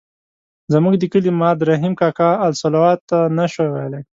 زموږ د کلي ماد رحیم کاکا الصلواة نه شوای ویلای.